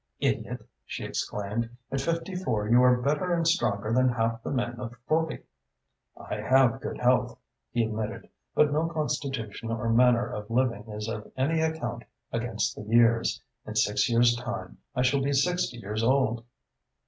"Idiot!" she exclaimed. "At fifty four you are better and stronger than half the men of forty." "I have good health," he admitted, "but no constitution or manner of living is of any account against the years. In six years' time I shall be sixty years old."